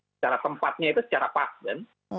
secara tempatnya itu secara pas dan